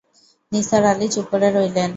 নিসার আলি চুপ করে রইলেন!